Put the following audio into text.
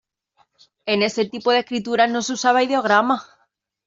En este tipo de escritura no se usaban ideogramas.